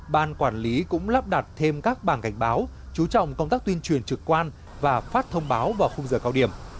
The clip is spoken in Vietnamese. ban quản lý cũng lắp đặt thêm các bảng cảnh báo chú trọng công tác tuyên truyền trực quan và phát thông báo vào khung giờ cao điểm